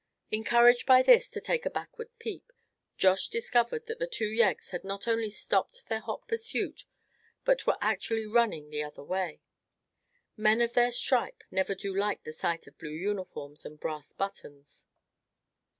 Encouraged by this to take a backward peep, Josh discovered that the two yeggs had not only stopped their hot pursuit, but were actually running the other way. Men of their stripe never do like the sight of blue uniforms and brass buttons.